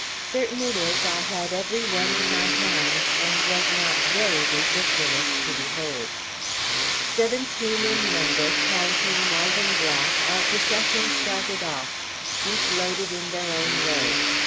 Certain it is I had every one in my hands, and was not very ridiculous to behold. Seventeen in number, counting white and black, our procession started off, each loaded in their own way.